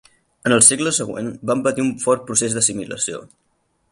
En el segle següent van patir un fort procés d'assimilació.